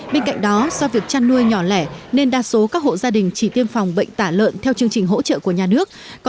bên cạnh đó do việc chăn nuôi nhỏ lẻ nên đa số các hộ gia đình chỉ tiêm phòng bệnh tả lợn theo chương trình hỗ trợ của nhà nước